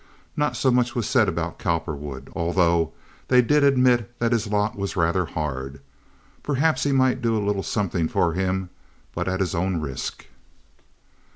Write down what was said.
Not so much was said about Cowperwood, although they did admit that his lot was rather hard. Perhaps he might do a little something for him but at his own risk.